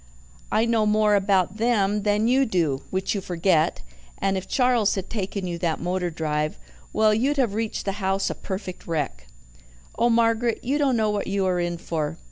I know more about them than you do, which you forget, and if Charles had taken you that motor drive well, you'd have reached the house a perfect wreck. Oh, Margaret, you don't know what you are in for.